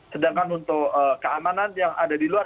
sedangkan untuk keamanan yang ada di luar